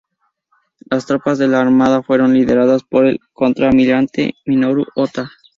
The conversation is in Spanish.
Las tropas de la Armada fueron lideradas por el contraalmirante Minoru Ōta.